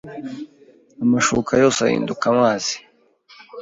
amashuka yose ahinduka amazi